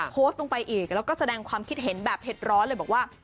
โพสต์ลงไปอีกแล้วก็แสดงความคิดเห็นแบบเห็ดร้อนเลยบอกว่า